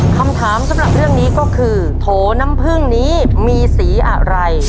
คำถามสำหรับเรื่องนี้ก็คือโถน้ำพึ่งนี้มีสีอะไร